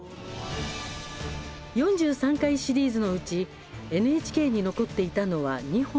４３回シリーズのうちＮＨＫに残っていたのは２本のみ。